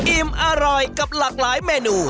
อิ่มอร่อยกับหลากหลายเมนู